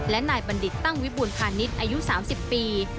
และนายบัณฑิตตั้งวิบูรพาณิชย์อายุ๓๐ปี